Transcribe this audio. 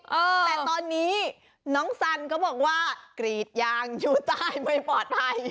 แต่ตอนนี้น้องสันก็บอกว่ากรีดยางอยู่ใต้ไม่ปลอดภัย